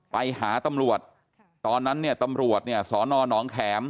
ไปหาตำรวจตอนนั้นเนี่ยตำรวจเนี่ยสอนอนองแข็ม